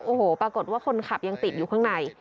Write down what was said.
โอ้โหปรากฏว่าคนขับยังติดอยู่ข้างใน